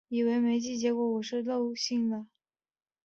以为没寄，结果是我漏信了